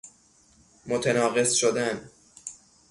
متناقص شدن